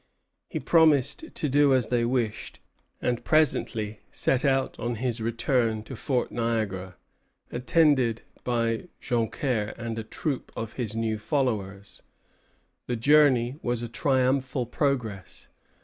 He promised to do as they wished, and presently set out on his return to Fort Niagara, attended by Joncaire and a troop of his new followers. The journey was a triumphal progress.